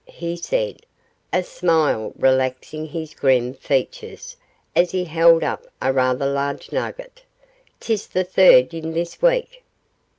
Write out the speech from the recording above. he said, a smile relaxing his grim features as he held up a rather large nugget; ''tis the third yin this week!